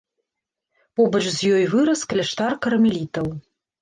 Побач з ёй вырас кляштар кармелітаў.